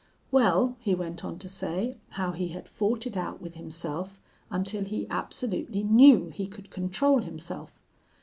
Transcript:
Well, he went on to say how he had fought it out with himself until he absolutely knew he could control himself.